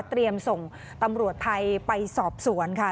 ส่งตำรวจไทยไปสอบสวนค่ะ